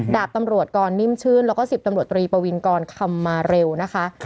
ดาบตำรวจกรนิ่มชื่นแล้วก็๑๐ตำรวจตรีปวินกรคำมาเร็วนะคะ